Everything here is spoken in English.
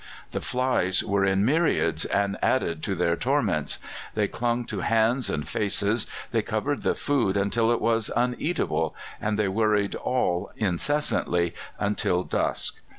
The flies were in myriads, and added to their torments; they clung to hands and faces, they covered the food until it was uneatable, and they worried all incessantly until dusk.